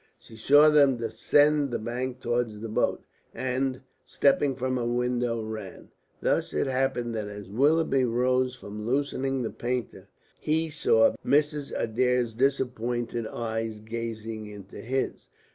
She saw them descend the bank towards the boat, and, stepping from her window, ran. Thus it happened that as Willoughby rose from loosening the painter, he saw Mrs. Adair's disappointed eyes gazing into his.